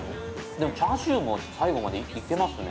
でも、チャーシューも最後までいけますね。